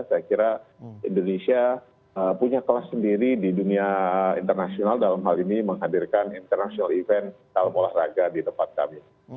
saya kira indonesia punya kelas sendiri di dunia internasional dalam hal ini menghadirkan international event dalam olahraga di tempat kami